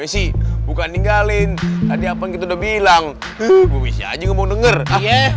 itu sih wc bukan tinggalin tadi apa gitu udah bilang bu bisa aja mau denger ah iya